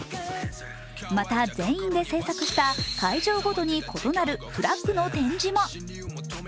また全員で製作した会場ごとに異なるフラッグの展示も。